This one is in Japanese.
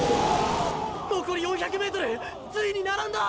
残り４００ｍついに並んだ！